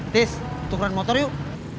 tis tukeran motor yuk